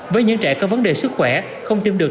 với những trẻ có vấn đề sức khỏe không tiêm được